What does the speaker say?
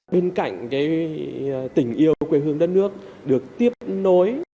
bên cạnh tình yêu quê hương đất nước được tiếp nối